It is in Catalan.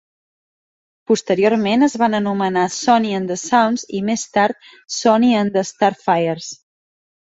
Posteriorment, es van anomenar Sonny and The Sounds i, més tard, Sonny and The Starfires.